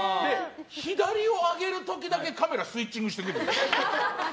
左を上げる時だけカメラスイッチングしてくる。